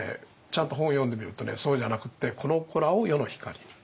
ちゃんと本を読んでみるとそうじゃなくって「この子らを世の光りに」。